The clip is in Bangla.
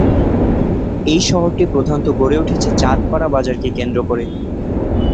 এই শহরটি প্রধানত গড়ে উঠেছে চাঁদপাড়া বাজারকে কেন্দ্র করে।